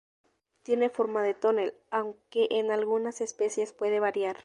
Tiene forma de tonel, aunque en algunas especies puede variar.